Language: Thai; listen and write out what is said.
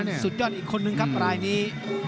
กรรมการสุดยอดอีกคนนึงครับรายนี้